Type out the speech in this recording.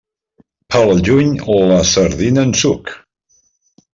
Pel juny, la sardina en suc.